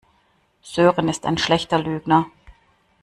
Sören ist ein schlechter Lügner.